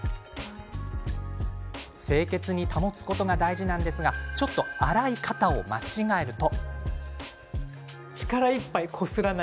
清潔に保つことが大事なんですがちょっと洗い方を間違えると。